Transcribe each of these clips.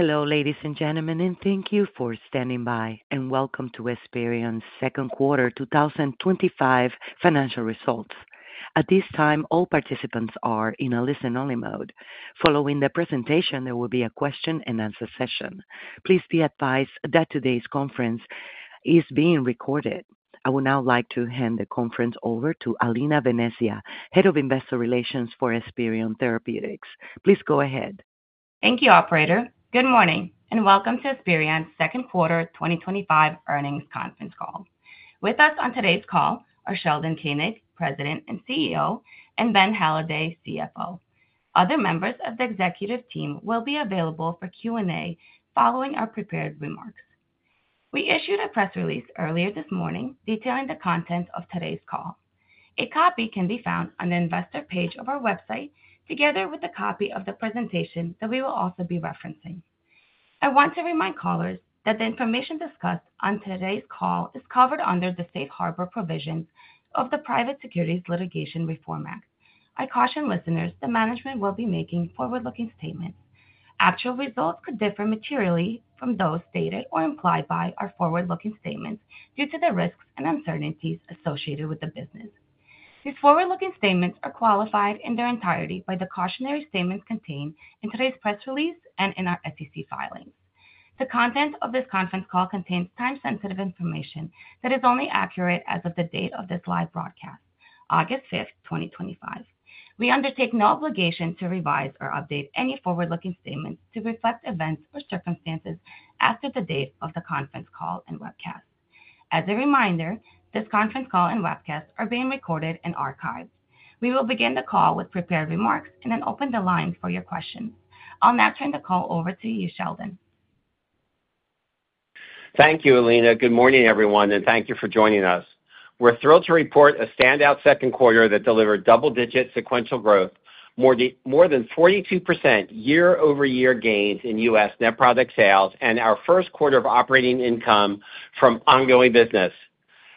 Hello, ladies and gentlemen, and thank you for standing by, and welcome to Esperion's Second Quarter 2025 Financial Results. At this time, all participants are in a listen-only mode. Following the presentation, there will be a question-and-answer session. Please be advised that today's conference is being recorded. I would now like to hand the conference over to Alina Venezia, Head of Investor Relations for Esperion Therapeutics. Please go ahead. Thank you, operator. Good morning, and welcome to Esperion's Second Quarter 2025 Earnings Conference Call. With us on today's call are Sheldon Koenig, President and CEO, and Ben Halladay, CFO. Other members of the executive team will be available for Q&A following our prepared remarks. We issued a press release earlier this morning detailing the contents of today's call. A copy can be found on the investor page of our website, together with a copy of the presentation that we will also be referencing. I want to remind callers that the information discussed on today's call is covered under the safe harbor provisions of the Private Securities Litigation Reform Act. I caution listeners that management will be making forward-looking statements. Actual results could differ materially from those stated or implied by our forward-looking statements due to the risks and uncertainties associated with the business. These forward-looking statements are qualified in their entirety by the cautionary statements contained in today's press release and in our SEC filing. The content of this conference call contains time-sensitive information that is only accurate as of the date of this live broadcast, August 5th, 2025. We undertake no obligation to revise or update any forward-looking statements to reflect events or circumstances after the date of the conference call and webcast. As a reminder, this conference call and webcast are being recorded and archived. We will begin the call with prepared remarks and then open the line for your questions. I'll now turn the call over to you, Sheldon. Thank you, Alina. Good morning, everyone, and thank you for joining us. We're thrilled to report a standout second quarter that delivered double-digit sequential growth, more than 42% year-over-year gains in U.S. net product sales, and our first quarter of operating income from ongoing business.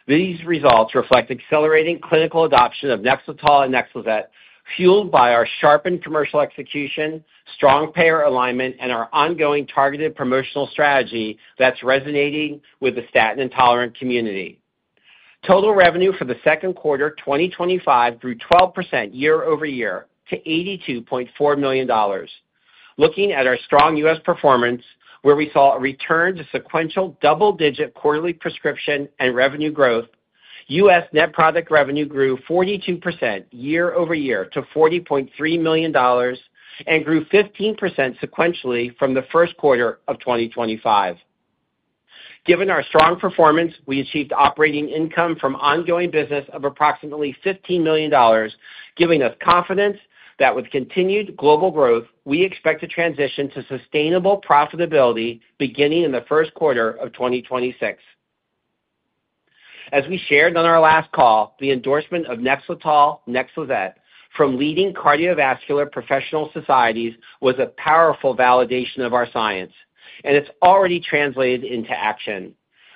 These results reflect accelerating clinical adoption of NEXLETOL and NEXLIZET, fueled by our sharpened commercial execution, strong payer alignment, and our ongoing targeted promotional strategy that's resonating with the statin-intolerant community. Total revenue for the second quarter 2025 grew 12% year-over-year to $82.4 million. Looking at our strong U.S. performance, where we saw a return to sequential double-digit quarterly prescription and revenue growth, U.S. net product revenue grew 42% year-over-year to $40.3 million and grew 15% sequentially from the first quarter of 2025. Given our strong performance, we achieved operating income from ongoing business of approximately $15 million, giving us confidence that with continued global growth, we expect to transition to sustainable profitability beginning in the first quarter of 2026. As we shared on our last call, the endorsement of NEXLETOL and NEXLIZET from leading cardiovascular professional societies was a powerful validation of our science, and it's already translated into action.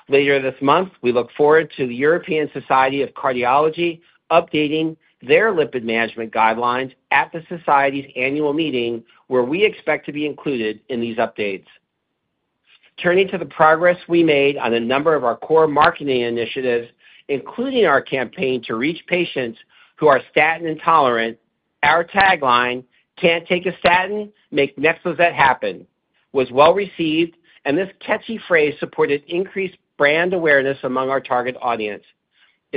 Later this month, we look forward to the European Society of Cardiology updating their lipid management guidelines at the Society's Annual Meeting, where we expect to be included in these updates. Turning to the progress we made on a number of our core marketing initiatives, including our campaign to reach patients who are statin intolerant, our tagline, "Can't Take a Statin? Make NEXLIZET Happen!" was well received, and this catchy phrase supported increased brand awareness among our target audience.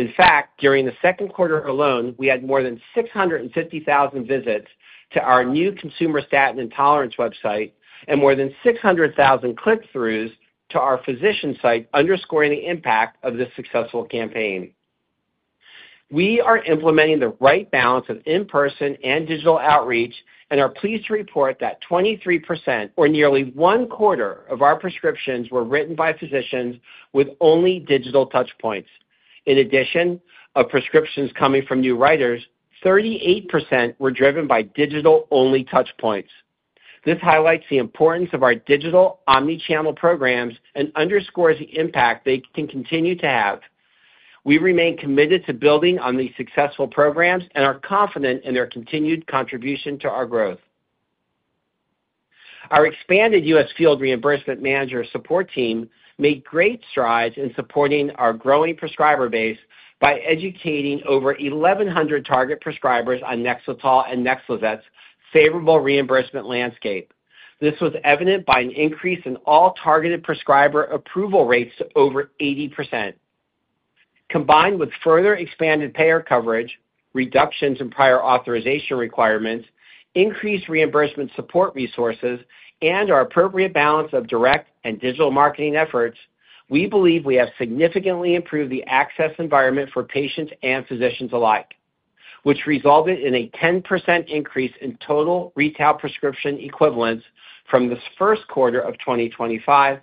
In fact, during the second quarter alone, we had more than 650,000 visits to our new consumer statin intolerance website and more than 600,000 click-throughs to our physician site, underscoring the impact of this successful campaign. We are implementing the right balance of in-person and digital outreach and are pleased to report that 23%, or nearly 1/4, of our prescriptions were written by physicians with only digital touchpoints. In addition, of prescriptions coming from new writers, 38% were driven by digital-only touchpoints. This highlights the importance of our digital omnichannel programs and underscores the impact they can continue to have. We remain committed to building on these successful programs and are confident in their continued contribution to our growth. Our expanded U.S. field reimbursement manager support team made great strides in supporting our growing prescriber base by educating over 1,100 target prescribers on NEXLETOL and NEXLIZET favorable reimbursement landscape. This was evident by an increase in all targeted prescriber approval rates to over 80%. Combined with further expanded payer coverage, reductions in prior authorization requirements, increased reimbursement support resources, and our appropriate balance of direct and digital marketing efforts, we believe we have significantly improved the access environment for patients and physicians alike, which resulted in a 10% increase in total retail prescription equivalents from this first quarter of 2025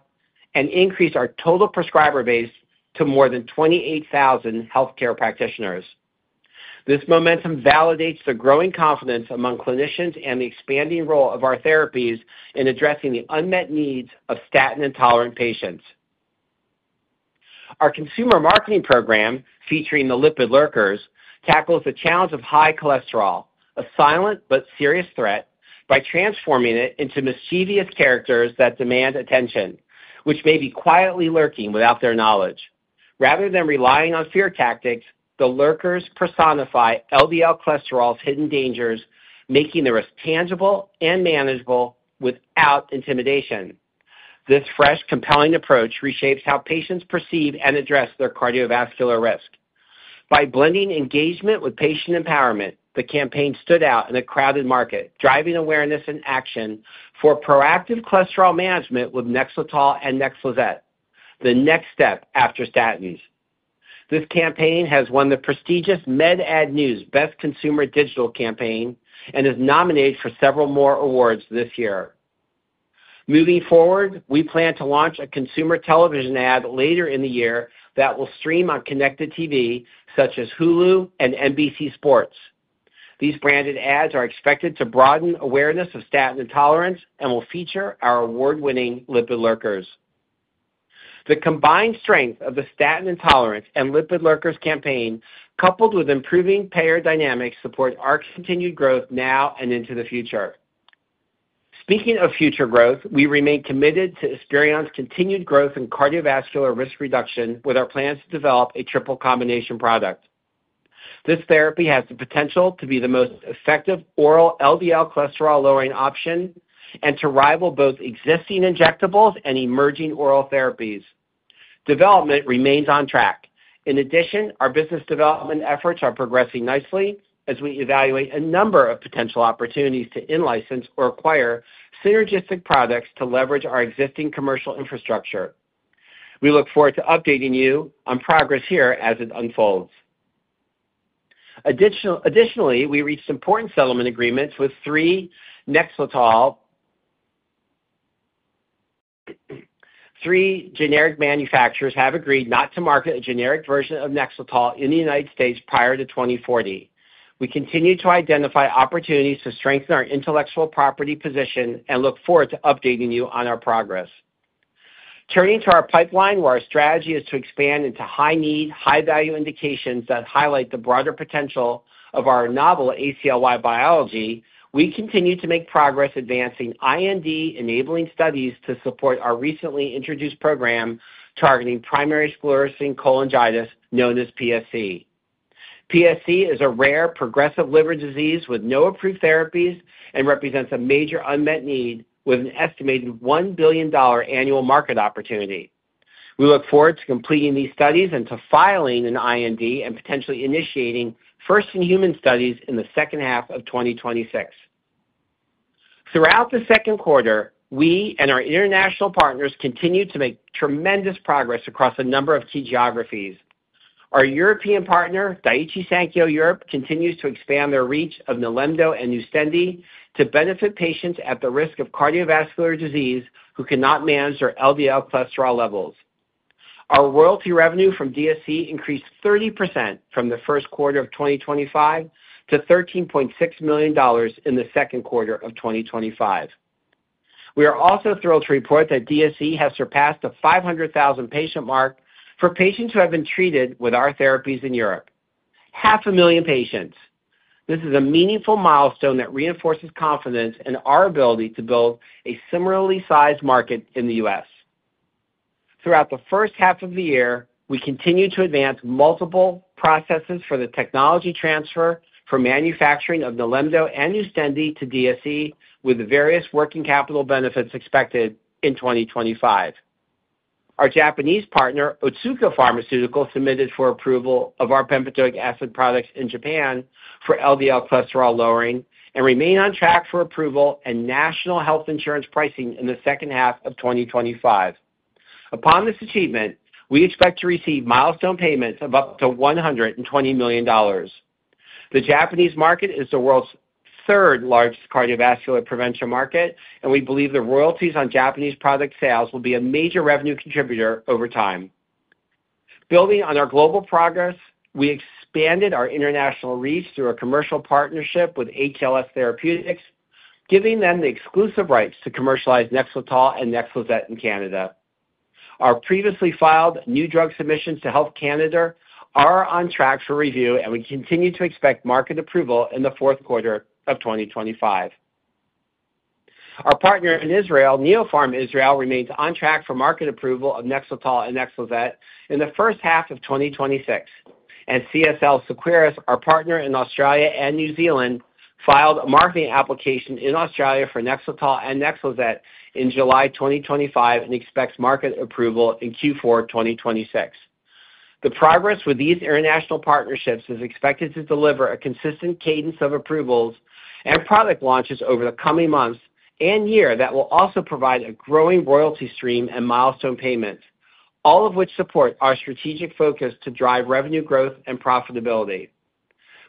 and increased our total prescriber base to more than 28,000 healthcare practitioners. This momentum validates the growing confidence among clinicians and the expanding role of our therapies in addressing the unmet needs of statin-intolerant patients. Our consumer marketing program, featuring the lipid lurkers, tackles the challenge of high cholesterol, a silent but serious threat, by transforming it into mischievous characters that demand attention, which may be quietly lurking without their knowledge. Rather than relying on fear tactics, the lurkers personify LDL-cholesterol's hidden dangers, making the risk tangible and manageable without intimidation. This fresh, compelling approach reshapes how patients perceive and address their cardiovascular risk. By blending engagement with patient empowerment, the campaign stood out in a crowded market, driving awareness and action for proactive cholesterol management with NEXLETOL and NEXLIZET, the next step after statins. This campaign has won the prestigious Med Ad News Best Consumer Digital campaign and is nominated for several more awards this year. Moving forward, we plan to launch a consumer television ad later in the year that will stream on connected TV, such as Hulu and NBC Sports. These branded ads are expected to broaden awareness of statin intolerance and will feature our award-winning lipid lurkers. The combined strength of the statin intolerance and lipid lurkers campaign, coupled with improving payer dynamics, supports our continued growth now and into the future. Speaking of future growth, we remain committed to Esperion's continued growth in cardiovascular risk reduction with our plans to develop a triple combination drug. This therapy has the potential to be the most effective oral LDL- cholesterol-lowering option and to rival both existing injectables and emerging oral therapies. Development remains on track. In addition, our business development efforts are progressing nicely as we evaluate a number of potential opportunities to in-license or acquire synergistic products to leverage our existing commercial infrastructure. We look forward to updating you on progress here as it unfolds. Additionally, we reached important settlement agreements with three NEXLETOL generic manufacturers. Three generic manufacturers have agreed not to market a generic version of NEXLETOL in the United States prior to 2040. We continue to identify opportunities to strengthen our intellectual property position and look forward to updating you on our progress. Turning to our pipeline, where our strategy is to expand into high-need, high-value indications that highlight the broader potential of our novel ACLY biology, we continue to make progress advancing IND-enabling studies to support our recently introduced program targeting primary sclerosing cholangitis, known as PSC. PSC is a rare progressive liver disease with no approved therapies and represents a major unmet need with an estimated $1 billion annual market opportunity. We look forward to completing these studies and to filing an IND and potentially initiating first-in-human studies in the second half of 2026. Throughout the second quarter, we and our international partners continue to make tremendous progress across a number of key geographies. Our European partner, Daiichi Sankyo Europe, continues to expand their reach of NILEMDO and NUSTENDI to benefit patients at the risk of cardiovascular disease who cannot manage their LDL-cholesterol levels. Our royalty revenue from DSE increased 30% from the first quarter of 2025 to $13.6 million in the second quarter of 2025. We are also thrilled to report that DSE has surpassed the 500,000 patient mark for patients who have been treated with our therapies in Europe. Half a million patients. This is a meaningful milestone that reinforces confidence in our ability to build a similarly sized market in the U.S. Throughout the first half of the year, we continue to advance multiple processes for the technology transfer for manufacturing of NILEMDO and NUSTENDI to DSE with various working capital benefits expected in 2025. Our Japanese partner, Otsuka Pharmaceuticals, submitted for approval of our bempedoic acid products in Japan for LDL-cholesterol lowering and remains on track for approval and national health insurance pricing in the second half of 2025. Upon this achievement, we expect to receive milestone payments of up to $120 million. The Japanese market is the world's third-largest cardiovascular prevention market, and we believe the royalties on Japanese product sales will be a major revenue contributor over time. Building on our global progress, we expanded our international reach through a commercial partnership with HLS Therapeutics, giving them the exclusive rights to commercialize NEXLETOL and NEXLIZET in Canada. Our previously filed new drug submissions to Health Canada are on track for review, and we continue to expect market approval in the fourth quarter of 2025. Our partner in Israel, Neopharm Israel, remains on track for market approval of NEXLETOL and NEXLIZET in the first half of 2026. CSL Seqirus, our partner in Australia and New Zealand, filed a marketing application in Australia for NEXLETOL and NEXLIZET in July 2025 and expects market approval in Q4 2026. The progress with these international partnerships is expected to deliver a consistent cadence of approvals and product launches over the coming months and year that will also provide a growing royalty stream and milestone payments, all of which support our strategic focus to drive revenue growth and profitability.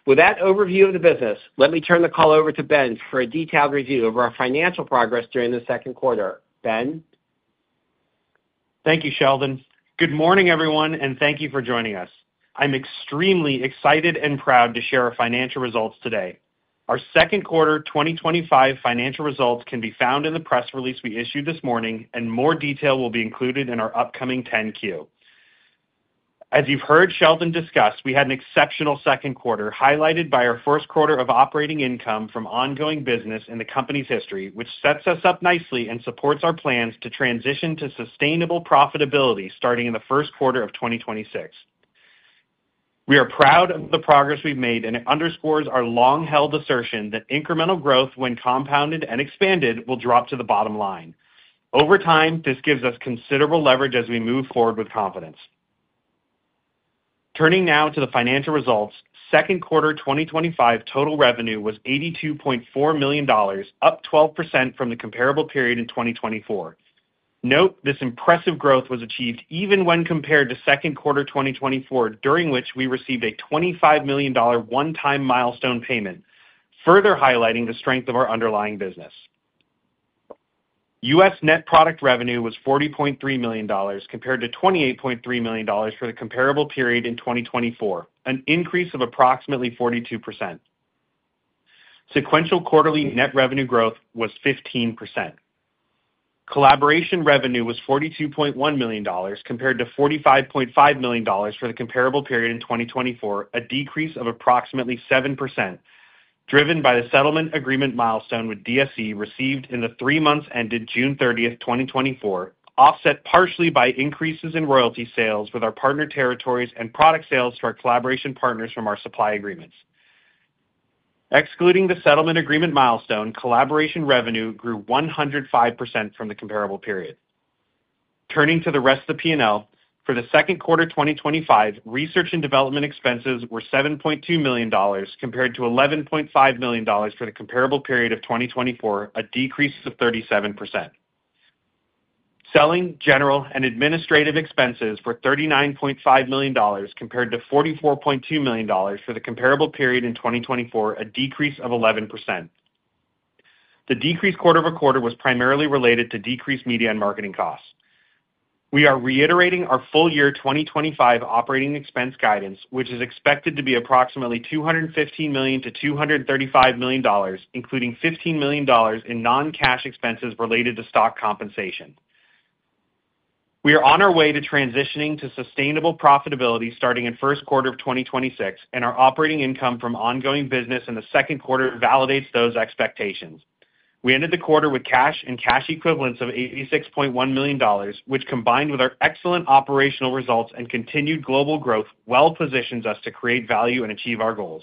With that overview of the business, let me turn the call over to Ben for a detailed review of our financial progress during the second quarter. Ben? Thank you, Sheldon. Good morning, everyone, and thank you for joining us. I'm extremely excited and proud to share our financial results today. Our second quarter 2025 financial results can be found in the press release we issued this morning, and more detail will be included in our upcoming 10-Q. As you've heard Sheldon discuss, we had an exceptional second quarter highlighted by our first quarter of operating income from ongoing business in the company's history, which sets us up nicely and supports our plans to transition to sustainable profitability starting in the first quarter of 2026. We are proud of the progress we've made, and it underscores our long-held assertion that incremental growth, when compounded and expanded, will drop to the bottom line. Over time, this gives us considerable leverage as we move forward with confidence. Turning now to the financial results, second quarter 2025 total revenue was $82.4 million, up 12% from the comparable period in 2024. Note this impressive growth was achieved even when compared to second quarter 2024, during which we received a $25 million one-time milestone payment, further highlighting the strength of our underlying business. U.S. net product revenue was $40.3 million, compared to $28.3 million for the comparable period in 2024, an increase of approximately 42%. Sequential quarterly net revenue growth was 15%. Collaboration revenue was $42.1 million, compared to $45.5 million for the comparable period in 2024, a decrease of approximately 7%, driven by the settlement agreement milestone with DSE received in the three months ended June 30th, 2024, offset partially by increases in royalty sales with our partner territories and product sales to our collaboration partners from our supply agreements. Excluding the settlement agreement milestone, collaboration revenue grew 105% from the comparable period. Turning to the rest of the P&L, for the second quarter 2025, research and development expenses were $7.2 million, compared to $11.5 million for the comparable period of 2024, a decrease of 37%. Selling, general, and administrative expenses were $39.5 million, compared to $44.2 million for the comparable period in 2024, a decrease of 11%. The decrease quarter-over-quarter was primarily related to decreased media and marketing costs. We are reiterating our full-year 2025 operating expense guidance, which is expected to be approximately $215 million-$235 million, including $15 million in non-cash expenses related to stock compensation. We are on our way to transitioning to sustainable profitability starting in the first quarter of 2026, and our operating income from ongoing business in the second quarter validates those expectations. We ended the quarter with cash and cash equivalents of $86.1 million, which, combined with our excellent operational results and continued global growth, well positions us to create value and achieve our goals.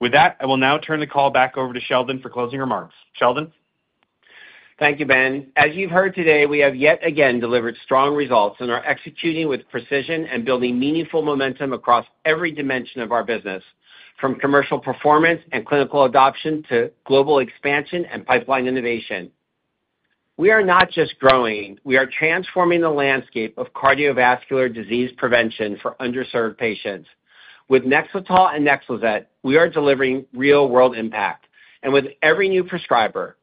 With that, I will now turn the call back over to Sheldon for closing remarks. Sheldon? Thank you, Ben. As you've heard today, we have yet again delivered strong results and are executing with precision and building meaningful momentum across every dimension of our business, from commercial performance and clinical adoption to global expansion and pipeline innovation. We are not just growing, we are transforming the landscape of cardiovascular disease prevention for underserved patients. With NEXLETOL and NEXLIZET, we are delivering real-world impact, and with every new prescriber,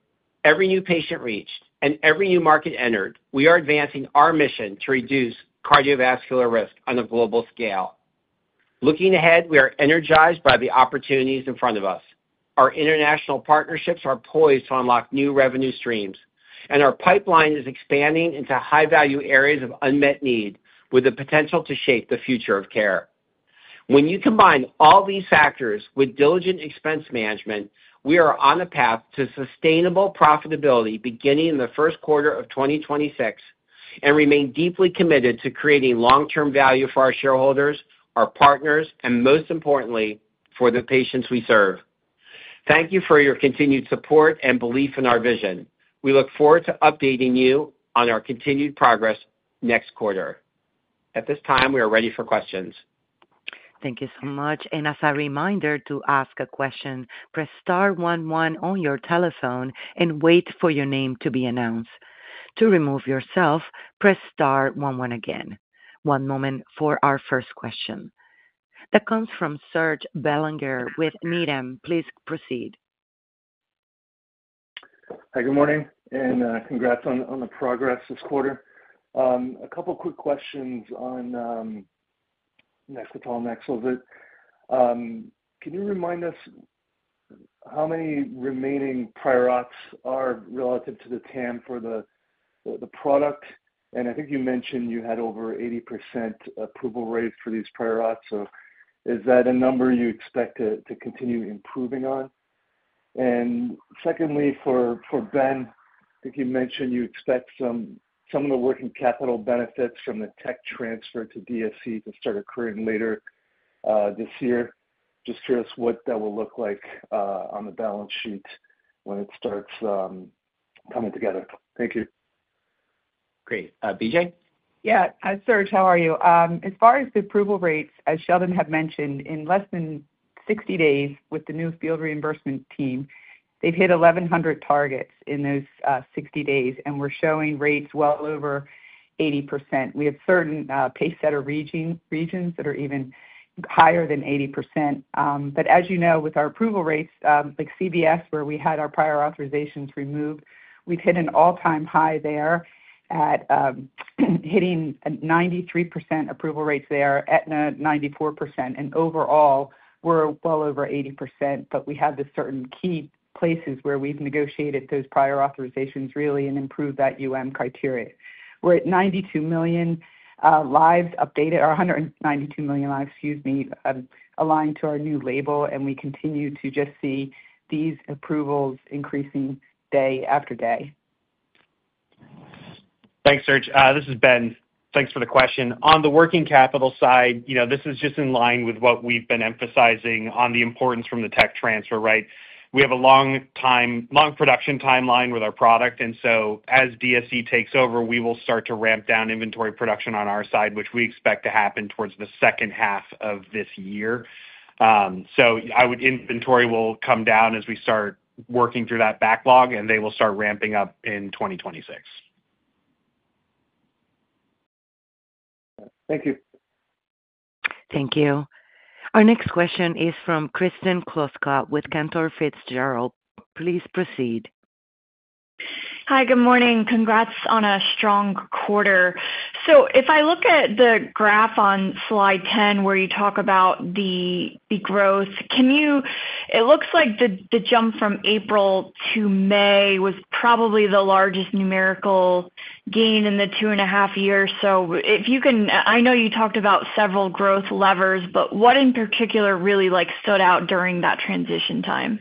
every new patient reach, and every new market entered, we are advancing our mission to reduce cardiovascular risk on a global scale. Looking ahead, we are energized by the opportunities in front of us. Our international partnerships are poised to unlock new revenue streams, and our pipeline is expanding into high-value areas of unmet need with the potential to shape the future of care. When you combine all these factors with diligent expense management, we are on the path to sustainable profitability beginning in the first quarter of 2026 and remain deeply committed to creating long-term value for our shareholders, our partners, and most importantly, for the patients we serve. Thank you for your continued support and belief in our vision. We look forward to updating you on our continued progress next quarter. At this time, we are ready for questions. Thank you so much, and as a reminder to ask a question, press star one one on your telephone and wait for your name to be announced. To remove yourself, press star one one again. One moment for our first question. That comes from Serge Belanger with Needham. Please proceed. Hi, good morning, and congrats on the progress this quarter. A couple of quick questions on NEXLETOL and NEXLIZET. Can you remind us how many remaining prior auths are relative to the TAM for the product? I think you mentioned you had over 80% approval rate for these prior auths. Is that a number you expect to continue improving on? For Ben, I think you mentioned you expect some of the working capital benefits from the tech transfer to DSE to start occurring later this year. Just curious what that will look like on the balance sheet when it starts coming together. Thank you. Great. BJ? Yeah, Serge, how are you? As far as the approval rates, as Sheldon had mentioned, in less than 60 days with the new field reimbursement team, they've hit 1,100 targets in those 60 days, and we're showing rates well over 80%. We have certain pay setter regions that are even higher than 80%. As you know, with our approval rates, like CVS, where we had our prior authorizations removed, we've hit an all-time high there at hitting 93% approval rates there, Aetna 94%, and overall, we're well over 80%. We have the certain key places where we've negotiated those prior authorizations really and improved that criteria. We're at 92 million lives updated, or 192 million lives, excuse me, aligned to our new label, and we continue to just see these approvals increasing day after day. Thanks, Serge. This is Ben. Thanks for the question. On the working capital side, this is just in line with what we've been emphasizing on the importance from the tech transfer, right? We have a long time, long production timeline with our product, and as DSE takes over, we will start to ramp down inventory production on our side, which we expect to happen towards the second half of this year. Inventory will come down as we start working through that backlog, and they will start ramping up in 2026. Thank you. Thank you. Our next question is from Kristen Kluska with Cantor Fitzgerald. Please proceed. Hi, good morning. Congrats on a strong quarter. If I look at the graph on slide 10 where you talk about the growth, it looks like the jump from April to May was probably the largest numerical gain in the 2.5 years. If you can, I know you talked about several growth levers, what in particular really stood out during that transition time?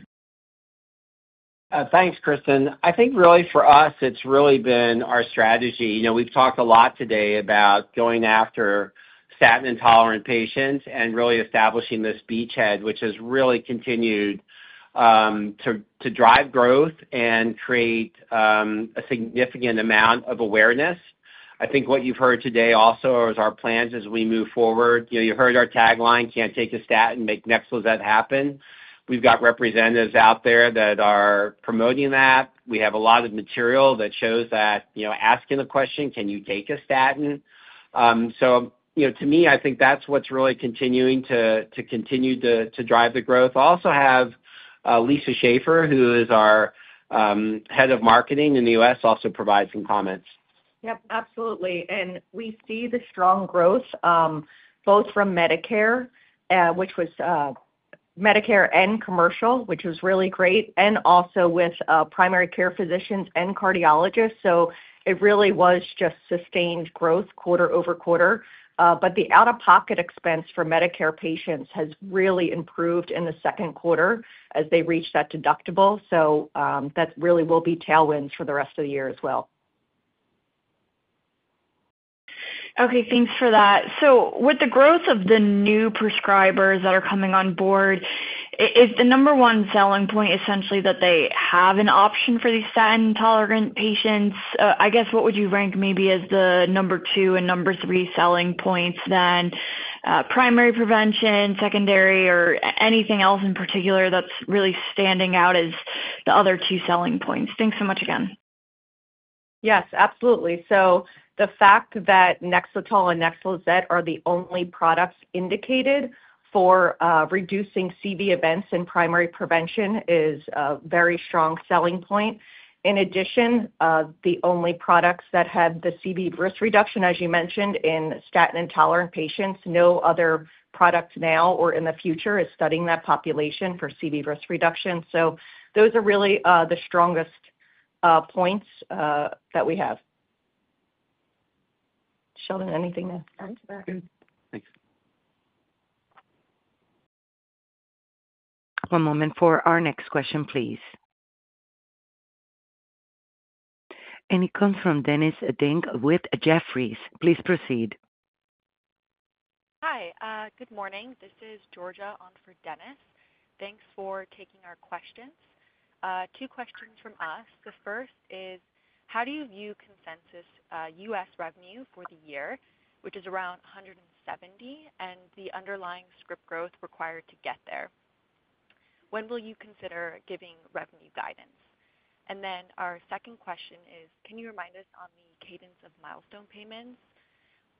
Thanks, Kristen. I think really for us, it's really been our strategy. We've talked a lot today about going after statin-intolerant patients and really establishing this beachhead, which has really continued to drive growth and create a significant amount of awareness. I think what you've heard today also is our plans as we move forward. You heard our tagline, "Can't Take a Statin? Make NEXLIZET Happen." We've got representatives out there that are promoting that. We have a lot of material that shows that, asking the question, "Can you take a statin?" To me, I think that's what's really continuing to drive the growth. I also have Lisa Schafer, who is our Head of Marketing in the U.S., also provide some comments. Yep, absolutely. We see the strong growth, both from Medicare, which was Medicare and commercial, which was really great, and also with primary care physicians and cardiologists. It really was just sustained growth quarter-over-quarter. The out-of-pocket expense for Medicare patients has really improved in the second quarter as they reach that deductible. That really will be tailwinds for the rest of the year as well. Okay, thanks for that. With the growth of the new prescribers that are coming on board, is the number one selling point essentially that they have an option for these statin-intolerant patients? I guess what would you rank maybe as the number two and number three selling points then? Primary prevention, secondary, or anything else in particular that's really standing out as the other two selling points? Thanks so much again. Yes, absolutely. The fact that NEXLETOL and NEXLIZET are the only products indicated for reducing CV events in primary prevention is a very strong selling point. In addition, the only products that have the CV risk reduction, as you mentioned, in statin-intolerant patients, no other product now or in the future is studying that population for CV risk reduction. Those are really the strongest points that we have. Sheldon, anything to add to that? Thanks. One moment for our next question, please. It comes from Dennis Ding with Jefferies. Please proceed. Hi, good morning. This is Georgia on for Dennis. Thanks for taking our questions. Two questions from us. The first is, how do you view consensus U.S. revenue for the year, which is around $170 million, and the underlying script growth required to get there? When will you consider giving revenue guidance? Our second question is, can you remind us on the cadence of milestone payments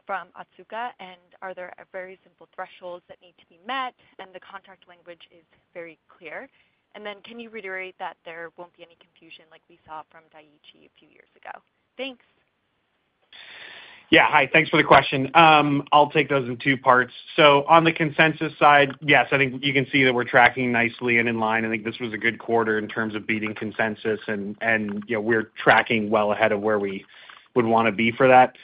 from Otsuka, and are there very simple thresholds that need to be met, and the contract language is very clear? Can you reiterate that there won't be any confusion like we saw from Daiichi a few years ago? Thanks. Yeah, hi, thanks for the question. I'll take those in two parts. On the consensus side, yes, I think you can see that we're tracking nicely and in line. I think this was a good quarter in terms of beating consensus, and you know we're tracking well ahead of where we would want to be for that.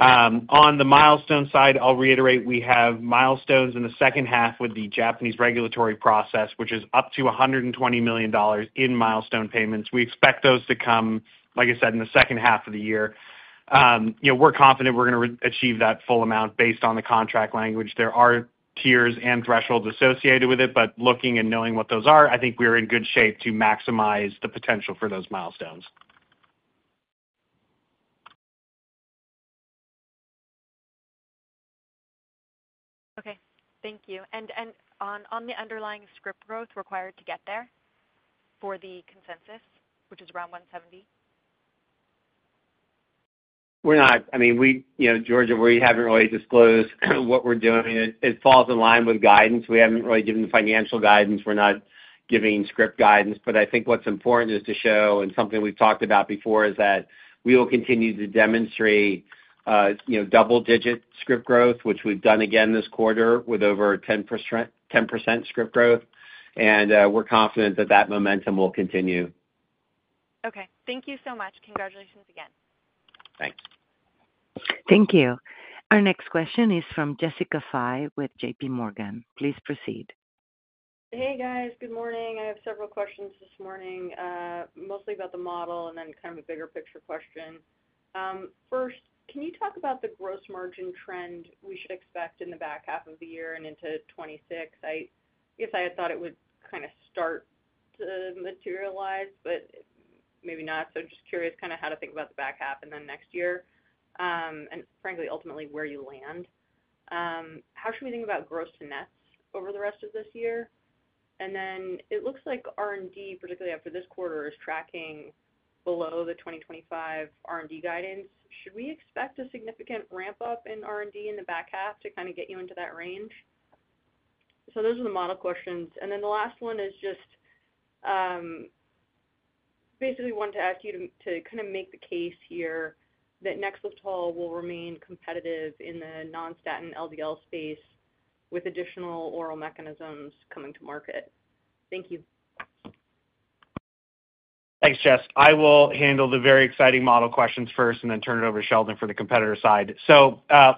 On the milestone side, I'll reiterate we have milestones in the second half with the Japanese regulatory process, which is up to $120 million in milestone payments. We expect those to come, like I said, in the second half of the year. We're confident we're going to achieve that full amount based on the contract language. There are tiers and thresholds associated with it, but looking and knowing what those are, I think we're in good shape to maximize the potential for those milestones. Thank you. On the underlying script growth required to get there for the consensus, which is around $170 million? We're not, Georgia, I mean, we haven't really disclosed what we're doing. It falls in line with guidance. We haven't really given the financial guidance. We're not giving script guidance. I think what's important is to show, and something we've talked about before, is that we will continue to demonstrate double-digit script growth, which we've done again this quarter with over 10% script growth. We're confident that that momentum will continue. Okay, thank you so much. Congratulations again. Thanks. Thank you. Our next question is from Jessica Fye with JPMorgan. Please proceed. Hey guys, good morning. I have several questions this morning, mostly about the model and then kind of a bigger picture question. First, can you talk about the gross margin trend we should expect in the back half of the year and into 2026? I guess I had thought it would kind of start to materialize, but maybe not. I'm just curious kind of how to think about the back half and next year. Frankly, ultimately where you land. How should we think about gross to nets over the rest of this year? It looks like R&D, particularly after this quarter, is tracking below the 2025 R&D guidance. Should we expect a significant ramp-up in R&D in the back half to kind of get you into that range? Those are the model questions. The last one is just basically wanted to ask you to kind of make the case here that NEXLETOL will remain competitive in the non-statin LDL space with additional oral mechanisms coming to market. Thank you. Thanks, Jess. I will handle the very exciting model questions first and then turn it over to Sheldon for the competitor side.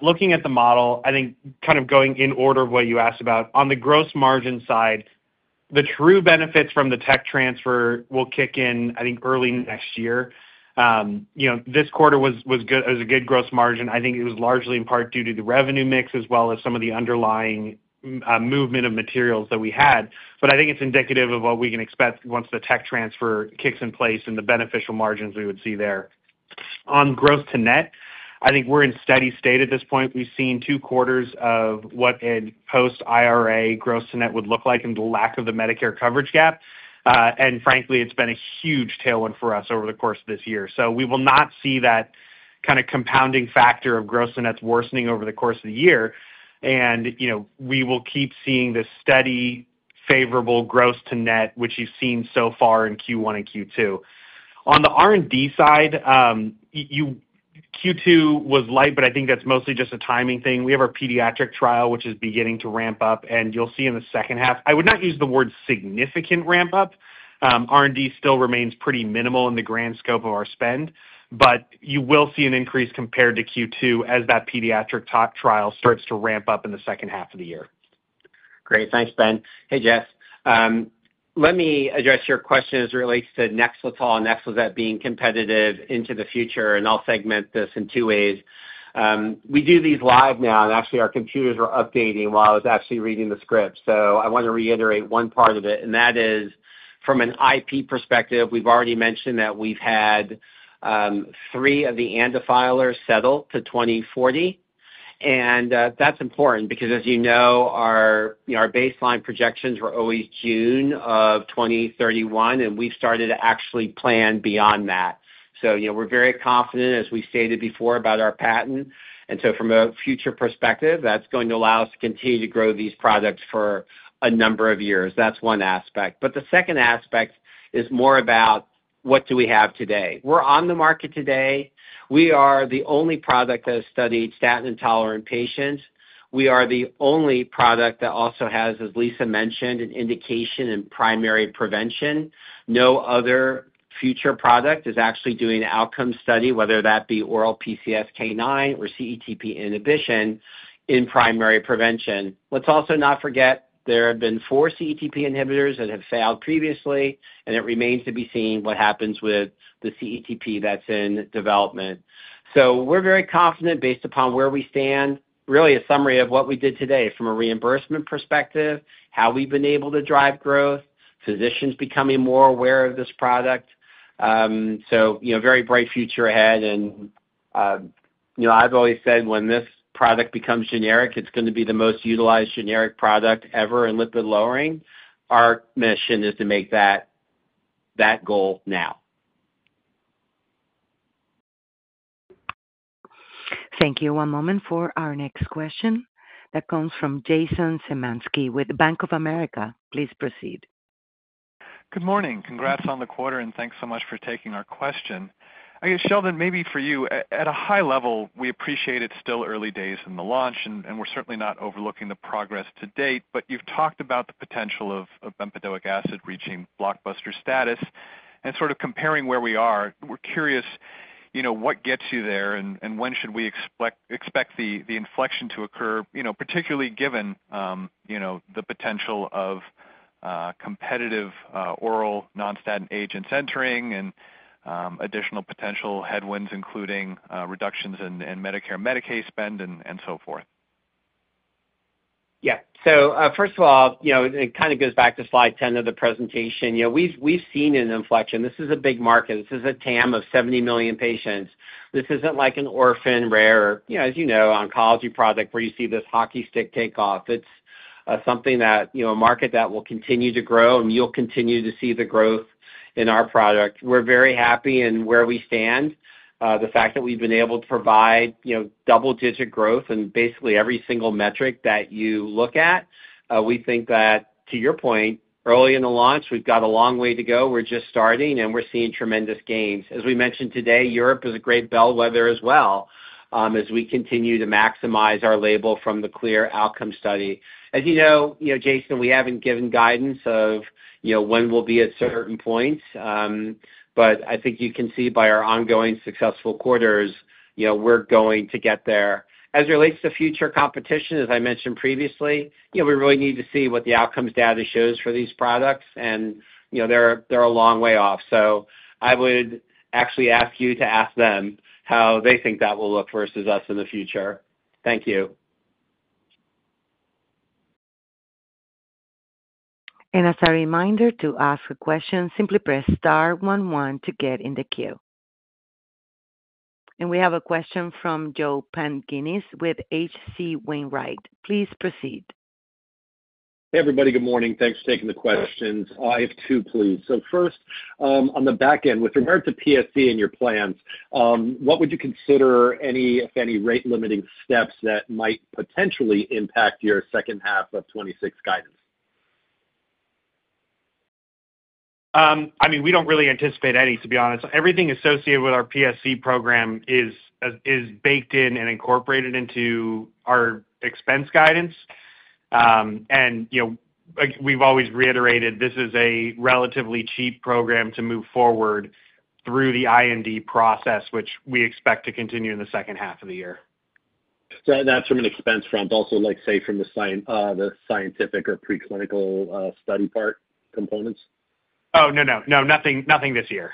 Looking at the model, I think kind of going in order of what you asked about, on the gross margin side, the true benefits from the tech transfer will kick in, I think, early next year. This quarter was good. It was a good gross margin. I think it was largely in part due to the revenue mix as well as some of the underlying movement of materials that we had. I think it's indicative of what we can expect once the tech transfer kicks in place and the beneficial margins we would see there. On gross to net, I think we're in a steady state at this point. We've seen two quarters of what a post-IRA gross to net would look like in the lack of the Medicare coverage gap. Frankly, it's been a huge tailwind for us over the course of this year. We will not see that kind of compounding factor of gross to nets worsening over the course of the year. We will keep seeing this steady, favorable gross to net, which you've seen so far in Q1 and Q2. On the R&D side, Q2 was light, but I think that's mostly just a timing thing. We have our pediatric trial, which is beginning to ramp up, and you'll see in the second half, I would not use the word significant ramp-up. R&D still remains pretty minimal in the grand scope of our spend, but you will see an increase compared to Q2 as that pediatric trial starts to ramp up in the second half of the year. Great, thanks, Ben. Hey, Jess. Let me address your question as it relates to NEXLETOL and NEXLIZET being competitive into the future, and I'll segment this in two ways. We do these live now, and actually, our computers were updating while I was actually reading the script. I want to reiterate one part of it, and that is from an IP perspective, we've already mentioned that we've had three of the antifilers settled to 2040. That's important because, as you know, our baseline projections were always June of 2031, and we've started to actually plan beyond that. We're very confident, as we stated before, about our patent. From a future perspective, that's going to allow us to continue to grow these products for a number of years. That's one aspect. The second aspect is more about what do we have today. We're on the market today. We are the only product that has studied statin-intolerant patients. We are the only product that also has, as Lisa mentioned, an indication in primary prevention. No other future product is actually doing an outcome study, whether that be oral PCSK9 or CETP inhibition in primary prevention. Let's also not forget there have been four CETP inhibitors that have failed previously, and it remains to be seen what happens with the CETP that's in development. We're very confident based upon where we stand. Really, a summary of what we did today from a reimbursement perspective, how we've been able to drive growth, physicians becoming more aware of this product. Very bright future ahead. I've always said when this product becomes generic, it's going to be the most utilized generic product ever in lipid lowering. Our mission is to make that that goal now. Thank you. One moment for our next question. That comes from Jason Zemanski with Bank of America. Please proceed. Good morning. Congrats on the quarter, and thanks so much for taking our question. I guess, Sheldon, maybe for you, at a high level, we appreciate it's still early days in the launch, and we're certainly not overlooking the progress to date. You've talked about the potential of pempedoic acid reaching blockbuster status and sort of comparing where we are. We're curious what gets you there, and when should we expect the inflection to occur, particularly given the potential of competitive oral non-statin agents entering and additional potential headwinds, including reductions in Medicare and Medicaid spend and so forth. Yeah, so first of all, it kind of goes back to slide 10 of the presentation. We've seen an inflection. This is a big market. This is a TAM of 70 million patients. This isn't like an orphan rare, you know, as you know, oncology product where you see this hockey stick takeoff. It's something that, you know, a market that will continue to grow, and you'll continue to see the growth in our product. We're very happy in where we stand. The fact that we've been able to provide, you know, double-digit growth in basically every single metric that you look at. We think that, to your point, early in the launch, we've got a long way to go. We're just starting, and we're seeing tremendous gains. As we mentioned today, Europe is a great bellwether as well as we continue to maximize our label from the CLEAR Outcomes study. As you know, Jason, we haven't given guidance of, you know, when we'll be at certain points. I think you can see by our ongoing successful quarters, you know, we're going to get there. As it relates to future competition, as I mentioned previously, we really need to see what the outcomes data shows for these products, and you know, they're a long way off. I would actually ask you to ask them how they think that will look versus us in the future. Thank you. As a reminder, to ask a question, simply press star one one to get in the queue. We have a question from Joe Pantginis with H.C. Wainwright. Please proceed. Hey everybody, good morning. Thanks for taking the questions. I have two, please. First, on the back end, with regard to primary sclerosing cholangitis and your plans, what would you consider any, if any, rate-limiting steps that might potentially impact your second half of 2026 guidance? I mean, we don't really anticipate any, to be honest. Everything associated with our PSC program is baked in and incorporated into our expense guidance. We've always reiterated this is a relatively cheap program to move forward through the IND process, which we expect to continue in the second half of the year. That's from an expense front. Also, like say from the scientific or preclinical study part components? No, nothing this year.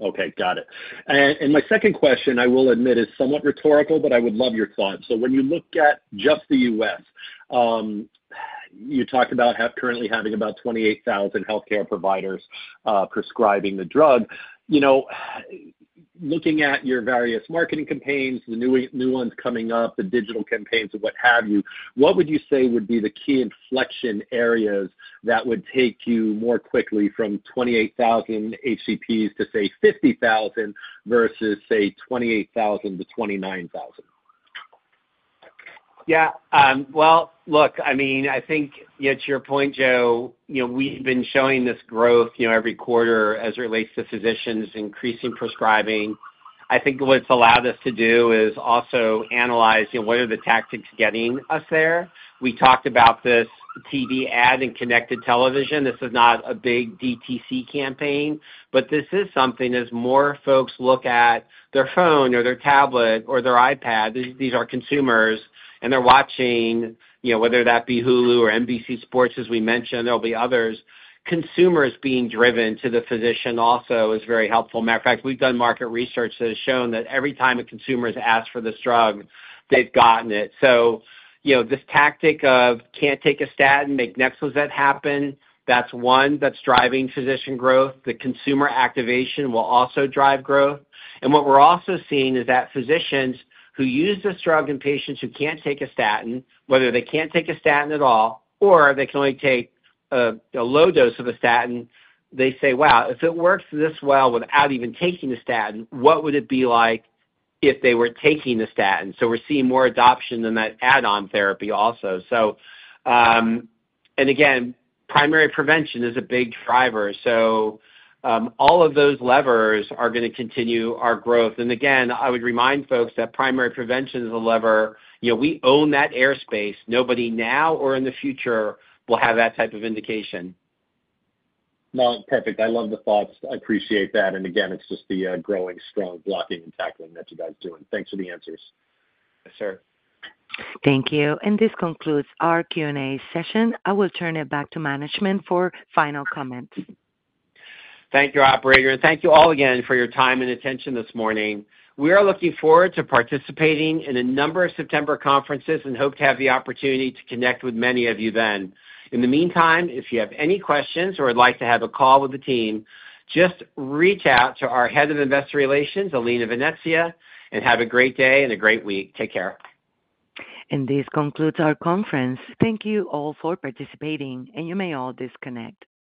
Okay, got it. My second question, I will admit, is somewhat rhetorical, but I would love your thoughts. When you look at just the U.S., you talked about currently having about 28,000 healthcare providers prescribing the drug. Looking at your various marketing campaigns, the new ones coming up, the digital campaigns, and what have you, what would you say would be the key inflection areas that would take you more quickly from 28,000 HCPs to, say, 50,000 HCPS versus, say, 28,000 HCPS-29,000 HCPS? Yeah, look, I mean, I think, to your point, Joe, we've been showing this growth every quarter as it relates to physicians increasing prescribing. I think what's allowed us to do is also analyze what are the tactics getting us there. We talked about this TV ad in connected television. This is not a big DTC campaign, but this is something as more folks look at their phone or their tablet or their iPad. These are consumers, and they're watching, whether that be Hulu or NBC Sports, as we mentioned, there'll be others. Consumers being driven to the physician also is very helpful. As a matter of fact, we've done market research that has shown that every time a consumer has asked for this drug, they've gotten it. This tactic of can't take a statin, make NEXLIZET happen, that's one that's driving physician growth. The consumer activation will also drive growth. What we're also seeing is that physicians who use this drug and patients who can't take a statin, whether they can't take a statin at all or they can only take a low dose of a statin, they say, wow, if it works this well without even taking the statin, what would it be like if they were taking the statin? We're seeing more adoption than that add-on therapy also. Primary prevention is a big driver. All of those levers are going to continue our growth. I would remind folks that primary prevention is a lever. We own that airspace. Nobody now or in the future will have that type of indication. No, perfect. I love the thoughts. I appreciate that. It's just the growing strong blocking and tackling that you guys do. Thanks for the answers. Sure. Thank you. This concludes our Q&A session. I will turn it back to management for final comments. Thank you, operator, and thank you all again for your time and attention this morning. We are looking forward to participating in a number of September conferences and hope to have the opportunity to connect with many of you then. In the meantime, if you have any questions or would like to have a call with the team, just reach out to our Head of Investor Relations, Alina Venezia, and have a great day and a great week. Take care. This concludes our conference. Thank you all for participating, and you may all disconnect.